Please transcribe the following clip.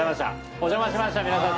おじゃましました皆さん。